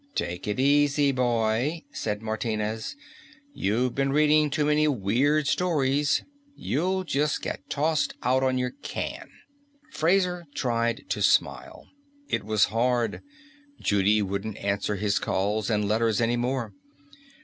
"Take it easy, boy," said Martinez. "You been reading too many weird stories; you'll just get tossed out on your can." Fraser tried to smile. It was hard Judy wouldn't answer his calls and letters any more.